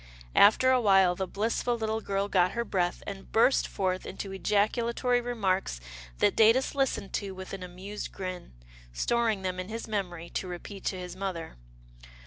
After a while, the blissful little girl got her breath and burst forth into ejaculatory remarks that Datus listened to with an amused grin, storing them in his memory to repeat to his mother.